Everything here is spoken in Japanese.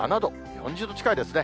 ４０度近いですね。